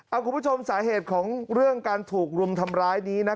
คุณผู้ชมสาเหตุของเรื่องการถูกรุมทำร้ายนี้